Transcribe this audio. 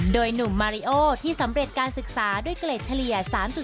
โดยหนุ่มมาริโอที่สำเร็จการศึกษาด้วยเกรดเฉลี่ย๓๐